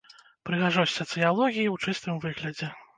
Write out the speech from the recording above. Прыгажосць сацыялогіі ў чыстым выглядзе.